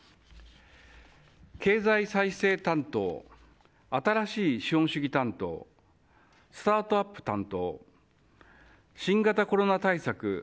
経済再生担当新しい資本主義担当スタートアップ担当新型コロナ対策